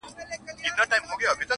شیطان په زور نیولی-